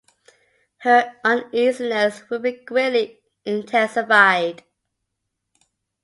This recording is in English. Her uneasiness will be greatly intensified.